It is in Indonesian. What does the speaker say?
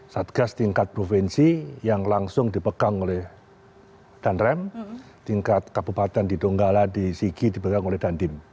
satgas tingkat provinsi yang langsung dipegang oleh danrem tingkat kabupaten di donggala di sigi dipegang oleh dandim